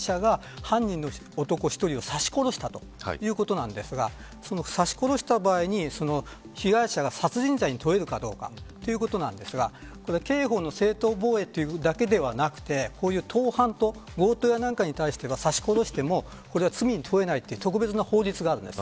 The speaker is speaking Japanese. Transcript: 今回の事件は被害者が犯人の男１人を刺し殺したということなんですがその刺し殺した場合に被害者が殺人罪に問えるかどうかということなんですが刑法の正当防衛ということだけでなくて強盗なんかに対しては刺し殺しても罪に問えないという特別な法律があるんです。